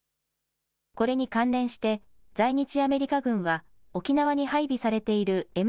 これに関連して在日アメリカ軍は、沖縄に配備されているＭＶ２２